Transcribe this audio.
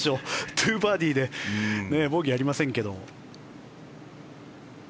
２バーディーでボギーはありませんけども。